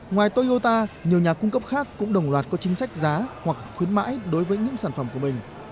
ngoài toyota nhiều nhà cung cấp khác cũng đồng loạt có chính sách giá hoặc khuyến mãi đối với những sản phẩm của mình